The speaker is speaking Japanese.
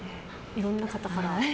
いろんな方から。